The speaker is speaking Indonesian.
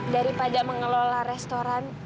daripada mengelola restoran